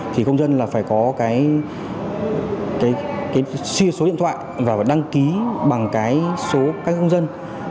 thì công dân là phải có cái sia số điện thoại và đăng ký bằng cái số các công dân